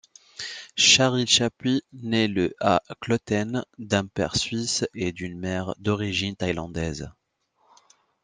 Charyl Chappuis naît le à Kloten, d’un père suisse et d’une mère d’origine thaïlandaise.